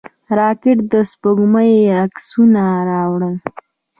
راکټ د سپوږمۍ عکسونه راوړل